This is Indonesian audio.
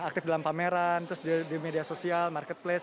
aktif dalam pameran terus di media sosial marketplace